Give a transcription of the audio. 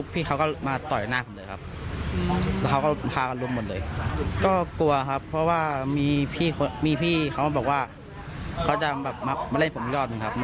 เพราะว่ามีพี่เขาบอกว่าเขาจะมาเล่นผมอีกรอบหนึ่งครับ